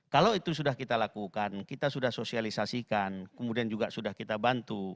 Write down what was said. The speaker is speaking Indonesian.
kalau itu sudah kita lakukan kita sudah sosialisasikan kemudian juga sudah kita bantu